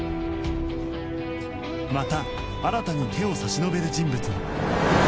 また新に手を差し伸べる人物が